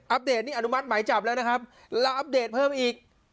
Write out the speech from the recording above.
เดตนี่อนุมัติหมายจับแล้วนะครับแล้วอัปเดตเพิ่มอีก